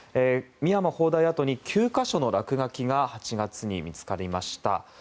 深山砲台跡に９か所の落書きが８月に見つかりました。